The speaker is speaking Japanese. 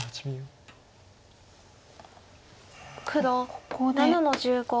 黒７の十五。